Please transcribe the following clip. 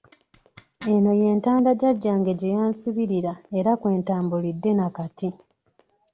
Eno ye ntanda Jjajjange gye yansibirira era kwe ntambulidde na kati.